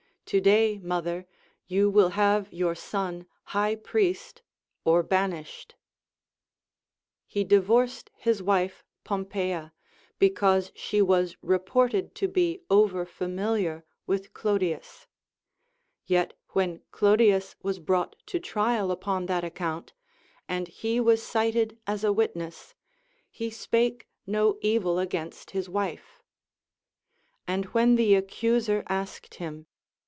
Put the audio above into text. To day, mother, you will have your son high priest or banished. He divorced his Avife Pompeia, because she was reported to be over AND GREAT COMMANDERS. 247 fiimiliar with Clodius ; yet when Clodius was brought to trial upon that account, and he was cited as a witness, he spake no evil against his wife ; and when the accuser asked him.